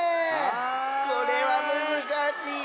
これはむずかしいな。